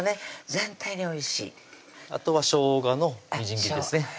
全体においしいあとはしょうがのみじん切りですね